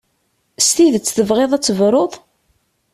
S tidet tebɣiḍ ad tebruḍ?